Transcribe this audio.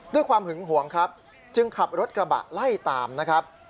ด้วยความหึงหวงครับจึงขับรถกระบะไล่ตามนะครับ